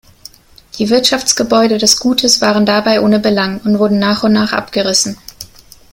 Die Wirtschaftsgebäude des Gutes waren dabei ohne Belang und wurden nach und nach abgerissen.